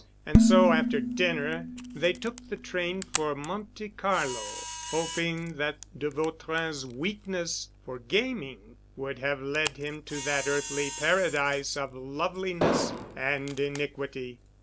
And so after dinner they took the train for Monte Carlo, hoping that de Vautrin's weakness for gaming would have led him to that earthly paradise of loveliness and iniquity.